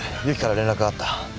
由岐から連絡があった。